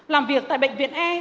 làm việc tại bệnh viện e